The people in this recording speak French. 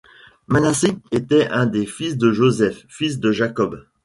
Manassé était un des fils de Joseph, fils de Jacob.